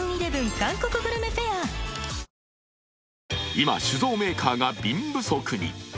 今、酒造メーカーが瓶不足に。